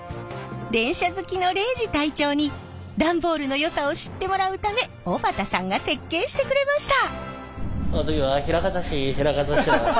電車好きの礼二隊長に段ボールのよさを知ってもらうため小畑さんが設計してくれました。